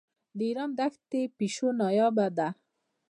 د ایران دښتي پیشو نایابه ده.